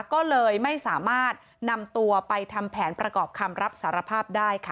ก็เลยไม่สามารถนำตัวไปทำแผนประกอบคำรับสารภาพได้ค่ะ